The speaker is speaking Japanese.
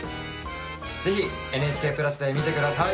ぜひ「ＮＨＫプラス」で見て下さい！